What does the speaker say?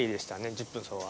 １０分走は。